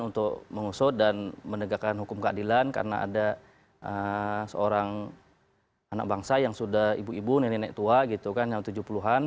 untuk mengusut dan menegakkan hukum keadilan karena ada seorang anak bangsa yang sudah ibu ibu nenek tua gitu kan yang tujuh puluh an